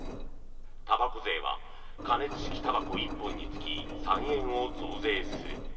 たばこ税は加熱式たばこ１本につき３円を増税する。